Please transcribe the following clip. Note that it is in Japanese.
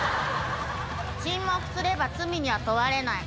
沈黙すれば罪には問われない。